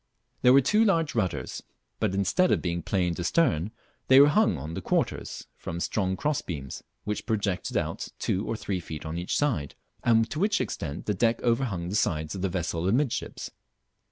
There were two large rudders, but instead of being planed astern they were hung on the quarters from strong cross beams, which projected out two or three feet on each side, and to which extent the deck overhung the sides of the vessel amidships.